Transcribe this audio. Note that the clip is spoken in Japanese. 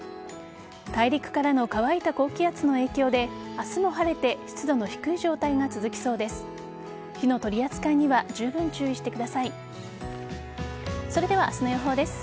大陸からの乾いた高気圧の影響で明日も晴れて湿度の低い状態が続きそうです。